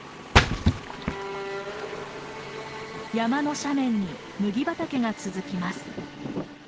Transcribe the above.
山の斜面に麦畑が続きます。